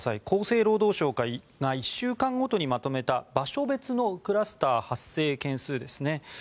厚生労働省が１週間ごとにまとめた場所別のクラスター発生件数ですね。